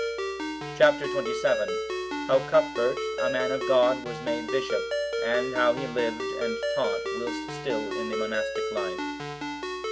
Chap. XXVII. How Cuthbert, a man of God, was made bishop; and how he lived and taught whilst still in the monastic life.